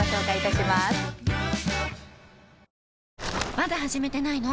まだ始めてないの？